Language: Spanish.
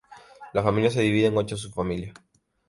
La familia se divide en ocho subfamilias.